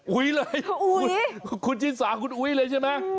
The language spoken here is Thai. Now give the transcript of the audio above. เลยคุณชิสาคุณอุ๊ยเลยใช่ไหม